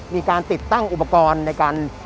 มีการติดตั้งอุปกรณ์ในการ